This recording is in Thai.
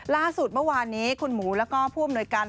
ล่าสุดเมื่อวานนี้คุณหมูแล้วก็ผู้อำนวยการ